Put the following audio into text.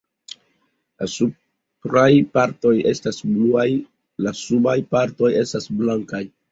La supraj partoj esta bluaj; la subaj partoj estas blankaj.